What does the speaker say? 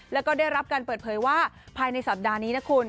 แล้วก็ได้รับการเปิดเผยว่าภายในสัปดาห์นี้นะคุณ